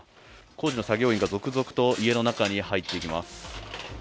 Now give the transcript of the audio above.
工事の作業員が続々と家の中に入っていきます。